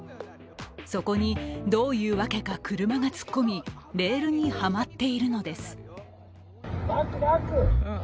そこに、どういうわけか車が突っ込み、レールに、はまっているのです。